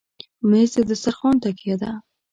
مېز د دسترخوان تکیه ده.